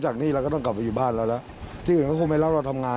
ใจหายเพราะว่าตอนแรกเขาว่า๒ปีไง